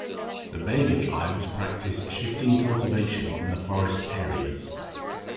The Baiga tribes practice shifting cultivation in the forest areas.